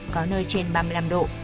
có nơi trên ba mươi năm độ